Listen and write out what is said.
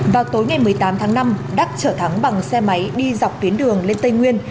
vào tối ngày một mươi tám tháng năm đắc trở thắng bằng xe máy đi dọc tuyến đường lên tây nguyên